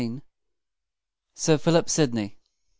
SIR PHILIP SIDNEY.